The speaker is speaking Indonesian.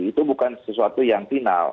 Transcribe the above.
itu bukan sesuatu yang final